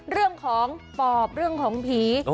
เรื่องของปอบเรื่องของผี